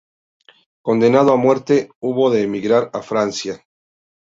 Condenado a muerte, hubo de emigrar a Francia.